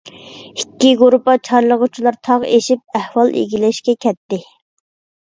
ئىككى گۇرۇپپا چارلىغۇچىلار تاغ ئېشىپ ئەھۋال ئىگىلەشكە كەتتى.